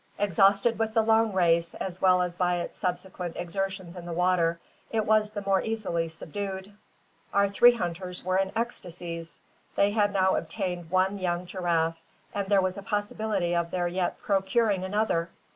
Exhausted with the long race, as well as by its subsequent exertions in the water, it was the more easily subdued. Our three hunters were in ecstasies. They had now obtained one young giraffe, and there was a possibility of their yet procuring another.